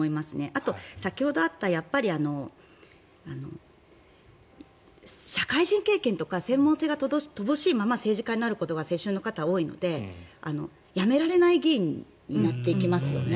あと先ほどあった社会人経験とか専門性が乏しいまま政治家になることが世襲の方は多いので辞められない議員になっていきますよね。